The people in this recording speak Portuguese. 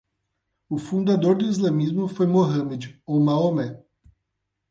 O fundador do islamismo foi Mohammad, ou Maomé